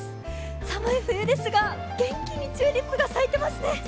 寒い冬ですが、元気にチューリップが咲いてますね。